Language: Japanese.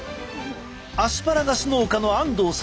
アスパラガス農家の安東さん。